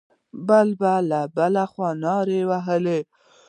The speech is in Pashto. بل به له بلې خوا نارې وهلې.